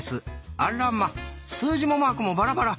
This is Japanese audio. あらま数字もマークもバラバラ。